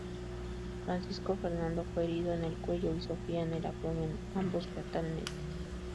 Francisco Fernando fue herido en el cuello, y Sofía en el abdomen, ambos fatalmente.